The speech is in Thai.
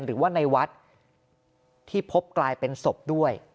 หรือว่าในวัดที่พบกลายเป็นศพด้วย